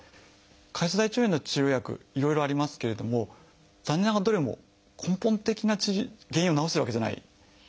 潰瘍性大腸炎の治療薬いろいろありますけれども残念ながらどれも根本的な原因を治してるわけじゃない。